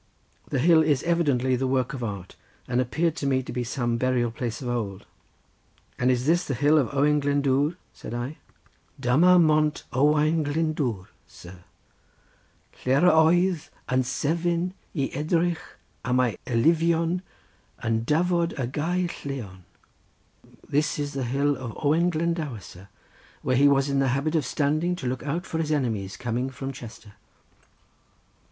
The hill is evidently the work of art, and appeared to me to be some burying place of old. "And this is the hill of Owain Glyndwr?" said I. "Dyma Mont Owain Glyndwr, sir, lle yr oedd yn sefyll i edrych am ei elynion yn dyfod o Gaer Lleon. This is the hill of Owen Glendower, sir, where he was in the habit of standing to look out for his enemies coming from Chester."